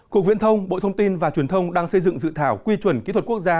cục viễn thông bộ thông tin và truyền thông đang xây dựng dự thảo quy chuẩn kỹ thuật quốc gia